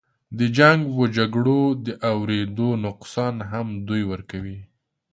د جنګ و جګړو د اودرېدو نقصان هم دوی ورکوي.